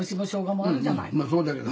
まあそうだけど。